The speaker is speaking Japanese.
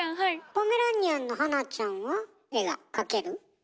ポメラニアンのはなちゃんは絵が描ける？